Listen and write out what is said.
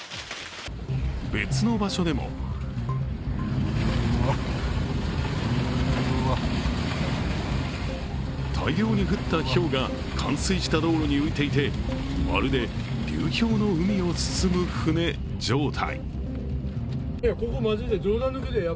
別の場所でも大量に降ったひょうが冠水した道路に浮いていてまるで流氷の海を進む船状態。